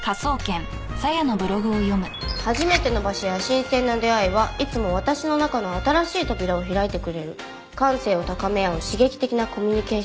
「初めての場所や新鮮な出会いはいつも私の中の新しい扉を開いてくれる」「感性を高め合う刺激的なコミュニケーションに感謝」